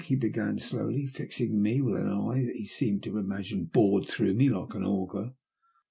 he began slowly, fixing me with an eye that he seemed to imagine bored through me like an augur.